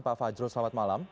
pak fajrul selamat malam